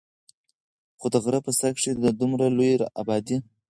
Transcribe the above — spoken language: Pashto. خو د غرۀ پۀ سر کښې د دومره لوے ابادي